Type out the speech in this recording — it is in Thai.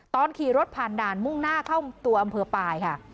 ตอนขี่รถผ่านด่านมุ่งหน้าเข้าตัวอำเภอปลายค่ะ